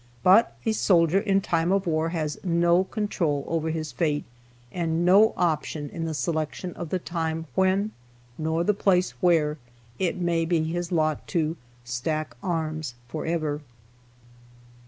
But a soldier in time of war has no control over his fate, and no option in the selection of the time when, nor the place where, it may be his lot to "stack arms" forever.